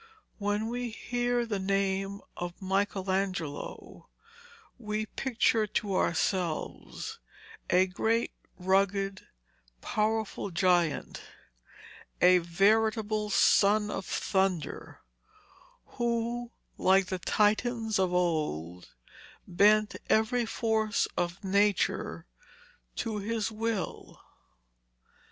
When we hear the name of Michelangelo we picture to ourselves a great rugged, powerful giant, a veritable son of thunder, who, like the Titans of old, bent every force of Nature to his will.